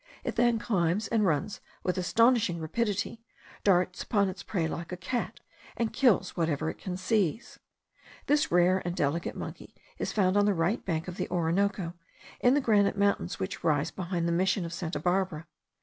It then climbs and runs with astonishing rapidity; darts upon its prey like a cat; and kills whatever it can seize. This rare and delicate monkey is found on the right bank of the Orinoco, in the granite mountains which rise behind the Mission of Santa Barbara.